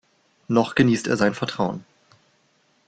Noch genießt er sein Vertrauen.